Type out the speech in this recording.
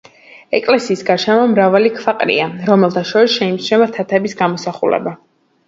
ეკლესიის გარშემო მრავალი ქვა ყრია, რომელთა შორის შეიმჩნევა თათების გამოსახულება.